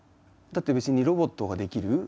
だって別にロボットができる。